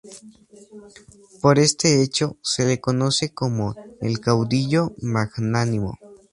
Por este hecho, se le conoce como "el Caudillo magnánimo".